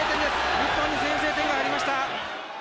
日本に先制点が入りました。